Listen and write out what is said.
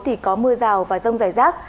thì có mưa rào và rông rải rác